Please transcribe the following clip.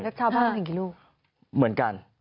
แล้วเช้าพ่อมันกี่ลูกเหมือนกัน